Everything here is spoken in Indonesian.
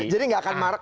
jadi nggak akan marah